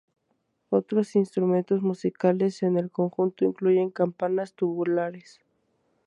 Otros instrumentos musicales en el conjunto incluyen campanas tubulares.